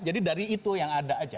jadi dari itu yang ada aja